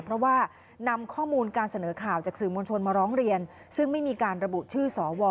เพราะว่านำข้อมูลการเสนอข่าวจากสื่อมวลชนมาร้องเรียนซึ่งไม่มีการระบุชื่อสว